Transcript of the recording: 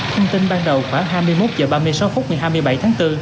thông tin ban đầu khoảng hai mươi một h ba mươi sáu phút ngày hai mươi bảy tháng bốn